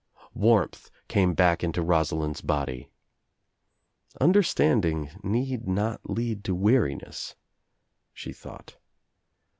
Warmth came back into Rosalind's body. "Understanding need not lead to weariness," she thought.